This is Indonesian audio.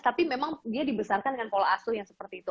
tapi memang dia dibesarkan dengan pola asuh yang seperti itu